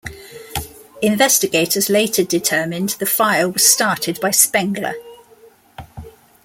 Investigators later determined the fire was started by Spengler.